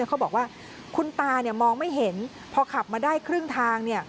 เขาบอกว่าคุณตามองไม่เห็นพอขับมาได้ครึ่งทาง